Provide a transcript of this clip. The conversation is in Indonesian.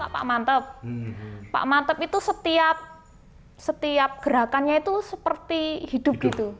pak mantep itu setiap gerakannya itu seperti hidup gitu